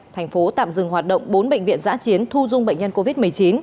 thành phố tạm dừng hoạt động bốn bệnh viện giã chiến thu dung bệnh nhân covid một mươi chín